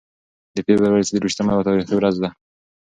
د فبرورۍ څلور ویشتمه یوه تاریخي ورځ ده.